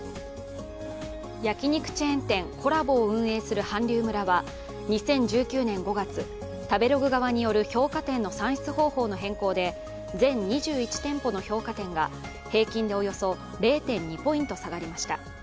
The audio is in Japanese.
焼き肉チェーン店、ＫｏｌｌａＢｏを運営する韓流村は２０１９年５月、食べログ側による評価点の算出方法の変更で全２１店舗の評価点が平均でおよそ０．２ポイント下がりました。